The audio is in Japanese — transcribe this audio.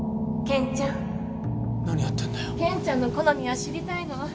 健ちゃんの好みを知りたいの。